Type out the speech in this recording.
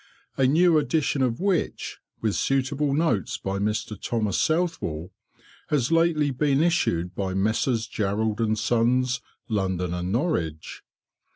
a new edition of which, with suitable notes by Mr. Thomas Southwell, has lately been issued by Messrs. Jarrold and Sons, London and Norwich.